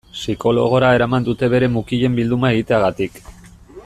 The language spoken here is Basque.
Psikologora eraman dute bere mukien bilduma egiteagatik.